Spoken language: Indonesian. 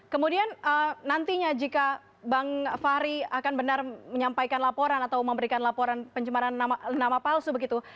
kemudian nantinya jika bang fahri akan benar menyampaikan laporan atau memberikan laporan pencemaran nama palsu begitu